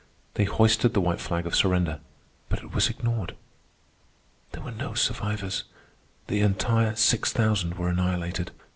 They hoisted the white flag of surrender, but it was ignored. There were no survivors. The entire six thousand were annihilated.